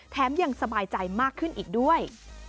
ยังสบายใจมากขึ้นอีกด้วย